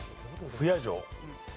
不夜城。